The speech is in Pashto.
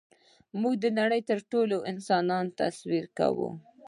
موږ د نړۍ ټول انسانان تصور کوو.